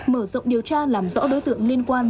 mở rộng điều tra làm rõ đối tượng liên quan